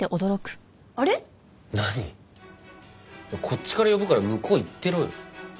こっちから呼ぶから向こう行ってろよ。